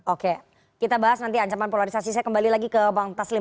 oke kita bahas nanti ancaman polarisasi saya kembali lagi ke bang taslim